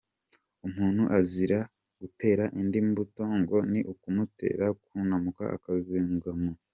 Umuntu azira gutera undi imbuto, ngo ni ukumutera kunanuka akazingama.